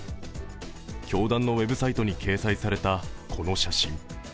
教団のウェブサイトに掲載されたこの写真。